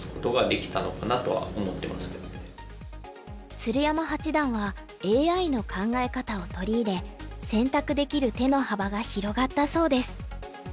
鶴山八段はＡＩの考え方を取り入れ選択できる手の幅が広がったそうです。